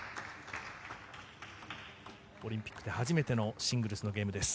オリンピックで初めてのシングルスのゲームです。